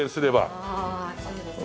ああそうですね。